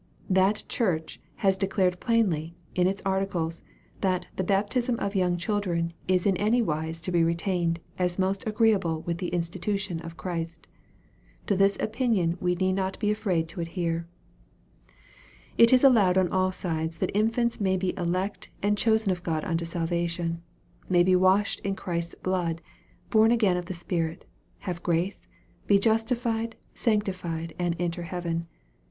That church has de clared plainly, in its Articles, that " the baptism of young children is in any wise to be retained, as most agreeable with the institution of Christ." To this opin ion we need not be afraid to adhere. It is allowed on all sides that infants may be elect and chosen of God unto salvation may be washed in Christ'e blood, born again of the Spirit, have grace, be justified, sanctified, and enter heaven.